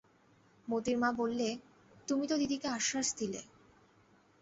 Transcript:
মোতির মা বললে, তুমি তো দিদিকে আশ্বাস দিলে।